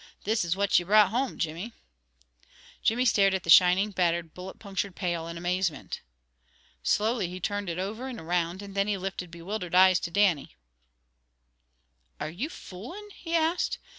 "This is what ye brought home, Jimmy." Jimmy stared at the shining, battered, bullet punctured pail in amazement. Slowly he turned it over and around, and then he lifted bewildered eyes to Dannie. "Are you foolin'?" he asked.